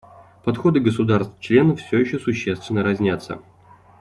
Подходы государств-членов все еще существенно разнятся.